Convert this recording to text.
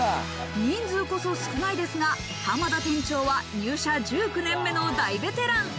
人数こそ少ないですが、濱田店長は入社１９年目の大ベテラン。